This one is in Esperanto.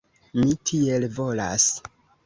Mi tiel volas.